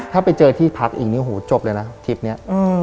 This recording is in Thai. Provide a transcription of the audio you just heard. ถ้าไปเจอที่พักอีกนี่หูจบเลยนะทริปนี้